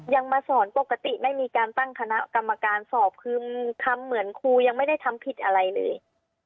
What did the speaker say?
ยังมาสอนปกติไม่มีการตั้งคณะกรรมการสอบคือทำเหมือนครูยังไม่ได้ทำผิดอะไรเลย